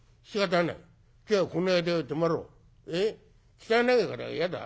汚えから嫌だ？